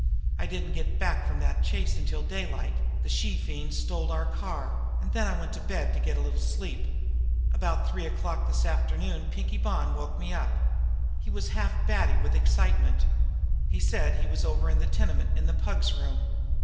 I didn't get back from that chase until daylight the she fiend stole our car and then I went to bed to get a little sleep. About three o'clock this afternoon Pinkie Bonn woke me up. He was half batty with excitement. He said he was over in the tenement in the Pug's room.